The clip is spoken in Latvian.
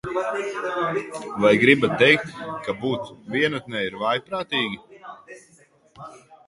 Vai gribat teikt, ka būt vienatnē ir vājprātīgi?